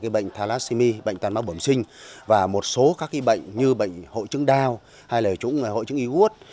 bệnh tàn mắc bẩm sinh và một số các cái bệnh như bệnh hội chứng đau hay là hội chứng y quốc